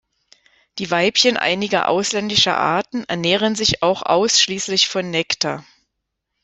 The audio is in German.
Die Weibchen einiger ausländischer Arten ernähren sich auch ausschließlich von Nektar.